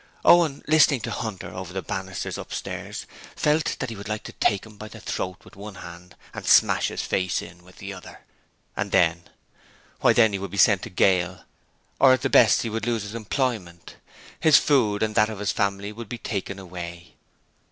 Owen, listening to Hunter over the banisters upstairs, felt that he would like to take him by the throat with one hand and smash his face in with the other. And then? Why then he would be sent to gaol, or at the best he would lose his employment: his food and that of his family would be taken away.